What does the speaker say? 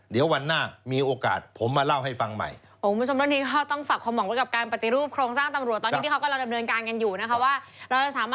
เดี๋ยววันหน้ามีโอกาสผมมาเล่าให้ฟังใหม่